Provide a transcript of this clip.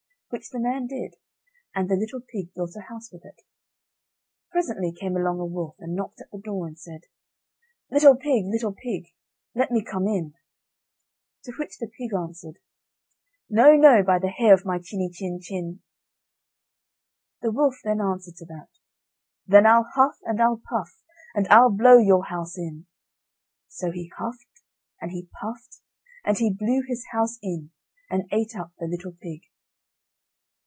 Which the man did, and the little pig built a house with it. Presently came along a wolf, and knocked at the door, and said: "Little pig, little pig, let me come in." To which the pig answered: "No, no, by the hair of my chiny chin chin." The wolf then answered to that: "Then I'll huff, and I'll puff, and I'll blow your house in." So he huffed, and he puffed, and he blew his house in, and ate up the little pig.